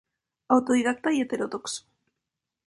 Autodidacta y heterodoxo.